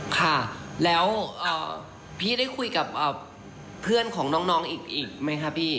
ค่ะแล้วพี่ได้คุยกับเพื่อนของน้องอีกไหมคะพี่